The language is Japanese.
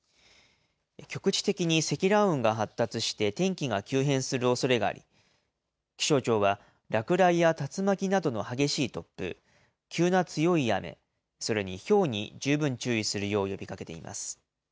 局地的に積乱雲が発達して天気が急変するおそれがあり、気象庁は、落雷や竜巻などの激しい突風、急な強い雨、それにひょうに十分注意するよう呼びかけています。